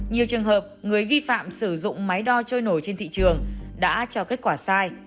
nhiều trường hợp người vi phạm sử dụng máy đo trôi nổi trên thị trường đã cho kết quả sai